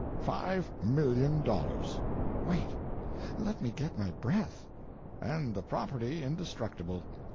Five million dollars!" "Wait—let me get my breath." "And the property indestructible.